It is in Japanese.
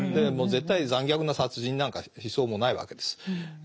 もう絶対残虐な殺人なんかしそうもないわけです。